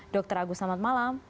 dr agus selamat malam